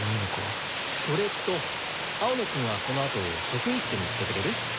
それと青野くんはこのあと職員室に行ってくれる？